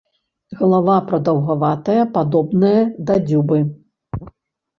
Галава прадаўгаватая, падобная да дзюбы.